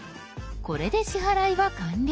これで支払いは完了。